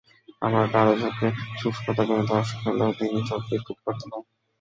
আবার কারও চোখে শুষ্কতাজনিত অসুখ হলেও তিনি চোখ পিটপিট করতে পারেন।